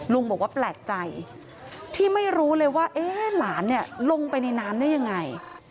ลุงบอกว่าแปลกใจที่ไม่รู้เลยว่าหลานเนี่ยลงไปในน้ำได้ยังไง